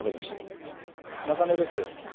中根です。